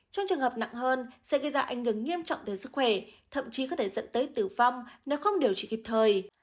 trong trường hợp nặng hơn sẽ gây ra ảnh hưởng nghiêm trọng tới sức khỏe thậm chí có thể dẫn tới tử vong nếu không điều trị kịp thời